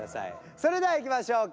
それではいきましょうか。